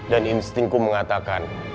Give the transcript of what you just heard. dan instinku mengatakan